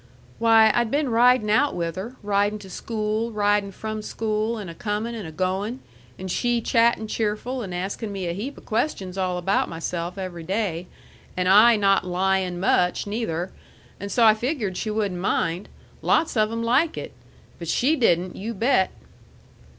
"Why, I'd been ridin' out with her ridin' to school, ridin' from school, and a comin' and a goin', and she chattin' cheerful and askin' me a heap o' questions all about myself every day, and I not lyin' much neither. And so I figured she wouldn't mind. Lots of 'em like it. But she didn't, you bet!"